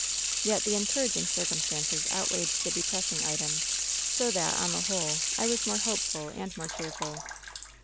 Yet the encouraging circumstances outweighed the depressing item, so that, on the whole, I was more hopeful and more cheerful.